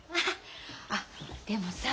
あっでもさ